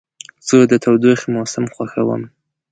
زه د تودوخې موسم خوښوم.